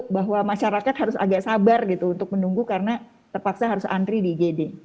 bahwa masyarakat harus agak sabar gitu untuk menunggu karena terpaksa harus antri di igd